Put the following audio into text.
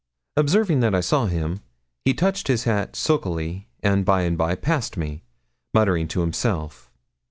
Observing that I saw him, he touched his hat sulkily, and by and by passed me, muttering to himself.